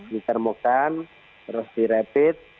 ditermukan terus direpit